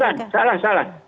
bukan bukan salah salah